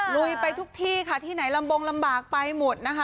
ลุยไปทุกที่ค่ะที่ไหนลำบงลำบากไปหมดนะคะ